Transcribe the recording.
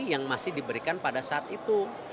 yang masih diberikan pada saat itu